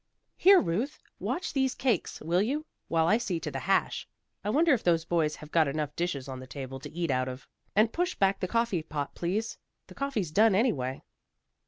"Here, Ruth. Watch these cakes, will you, while I see to the hash? I wonder if those boys have got enough dishes on the table to eat out of. And push back the coffee pot please. The coffee's done, anyway."